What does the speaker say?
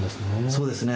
そうですね。